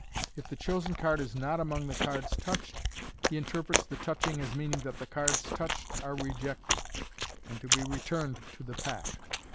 If the chosen card is not among the cards touched, he interprets the touching as meaning that the cards touched are rejected, and to be returned to the pack.